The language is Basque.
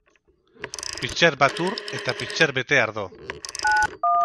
Pitxer bat ur, eta pitxer bete ardo.